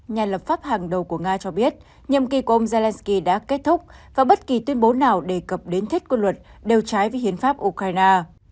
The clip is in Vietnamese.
nhà lập pháp hàng đầu của nga cho biết nhiệm kỳ của ông zelensky đã kết thúc và bất kỳ tuyên bố nào đề cập đến thiết quân luật đều trái với hiến pháp ukraine